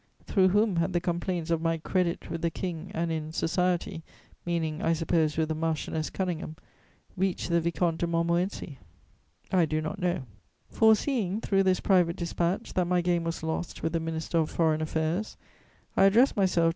Through whom had the complaints of my "credit" with the King and in "society" (meaning, I suppose, with the Marchioness Conyngham) reached the Vicomte de Montmorency? I do not know. [Sidenote: Letter from M. de Villèle.] Foreseeing, through this private dispatch, that my game was lost with the Minister of Foreign Affairs, I addressed myself to M.